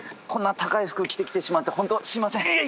こんな高い服着てきてしまってホントすいません。